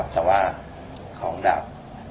แต่ว่าของดาบ